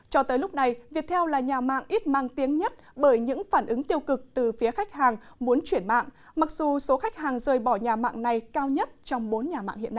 cho tới lúc này việc theo là nhà mạng ít mang tiếng nhất bởi những phản ứng tiêu cực từ phía khách hàng muốn chuyển mạng mặc dù số khách hàng rơi bỏ nhà mạng này cao hơn